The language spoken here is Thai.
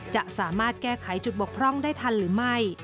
จะสามารถแก้ไขจุดบกพร่องได้ทันหรือไม่